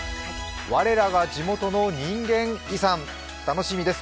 「我らが地元の人間遺産」楽しみです。